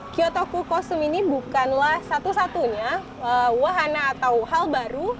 kyotoku kostum ini bukanlah satu satunya wahana atau hal baru